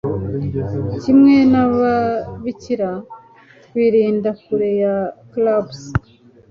kimwe n'ababikira, twirinda kure ya clubs